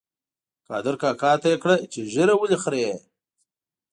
قادر کاکا ته یې کړه چې ږیره ولې خرېیې؟